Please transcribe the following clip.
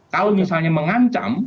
kalau misalnya mengancam